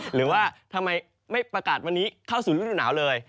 หรือว่าทำไมไม่ประกาศวันนี้เข้าสู่ฤดูหนาวเลย